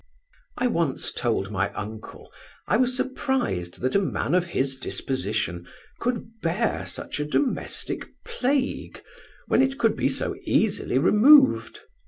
I once told my uncle, I was surprised that a man of his disposition could bear such a domestic plague, when it could be so easily removed.